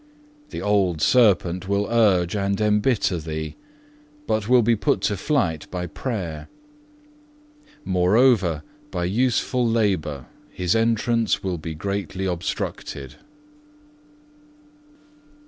The old serpent will urge and embitter thee, but will be put to flight by prayer; moreover, by useful labour his entrance will be greatly obstructed."